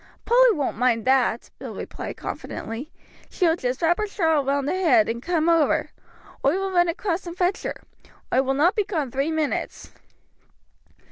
"Polly won't mind that," Bill replied confidently. "She will just wrap her shawl round her head and come over. Oi will run across and fetch her. Oi will not be gone three minutes."